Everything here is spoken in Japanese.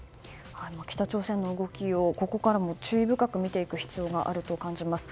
北朝鮮の動きをここからも注意深く見ていく必要があると感じます。